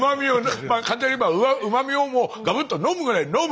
簡単に言えばうま味をもうガブッと飲むぐらい飲む！